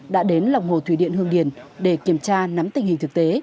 đã đến lòng hồ thủy điện hương điền để kiểm tra nắm tình hình thực tế